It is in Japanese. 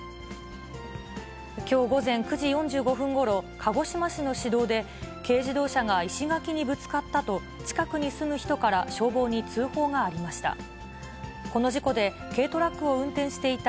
きょう午前９時４５分ごろ、鹿児島市の市道で、軽自動車が石垣にぶつかったと、近くに住む人から消防に通報がありました。